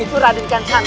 itu raden kancanta